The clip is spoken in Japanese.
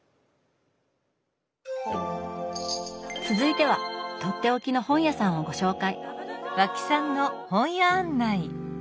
続いてはとっておきの本屋さんをご紹介。